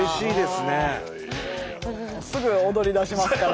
すぐ踊りだしますから。